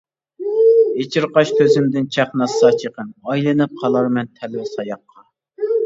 ئېچىرقاش كۆزۈمدىن چاقناتسا چېقىن، ئايلىنىپ قالارمەن تەلۋە ساياققا.